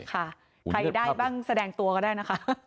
ใครได้บ้างแสดงตัวก็ได้นะคะ